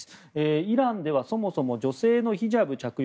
イランでは、そもそも女性のヒジャブ着用